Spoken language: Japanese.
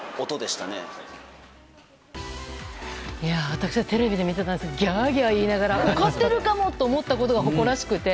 私はテレビで見てた時ギャーギャー言いながら勝ってるかも！と思ったことが誇らしくて。